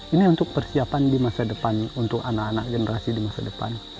ini untuk persiapan di masa depan untuk anak anak generasi di masa depan